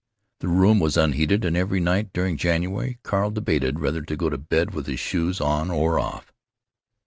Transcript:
The room was unheated, and every night during January Carl debated whether to go to bed with his shoes on or off.